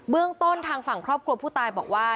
เรื่องต้นทางฝั่งครอบครัวผู้ตายบอกว่า